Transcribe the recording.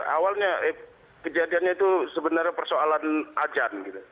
awalnya kejadiannya itu sebenarnya persoalan ajan